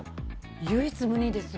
唯一無二です。